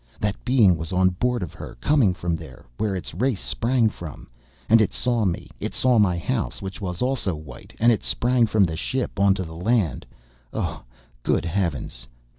That Being was on board of her, coming from there, where its race sprang from. And it saw me! It saw my house which was also white, and it sprang from the ship onto the land. Oh! Good heavens!